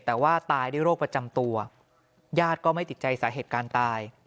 แต่ว่าตายด้วยโรคประจำตัวญาติก็ไม่ติดใจสาเหตุการณ์ตาย